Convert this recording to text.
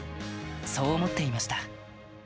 そう思っていました。